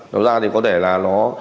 nó ra thì có thể là nó